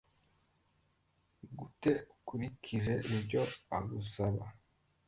gut ukurikize ibyo agusaba